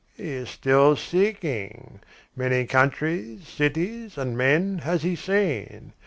"He is still seeking. Many countries, cities and men has he seen.